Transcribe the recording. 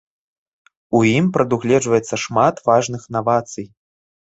У ім прадугледжваецца шмат важных навацый.